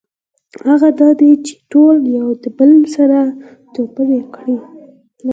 هغه دا دی چې ټول یو د بل سره توپیر لري.